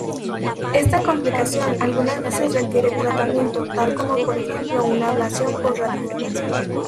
Esta complicación algunas veces requiere tratamiento tal como por ejemplo una ablación por radiofrecuencia.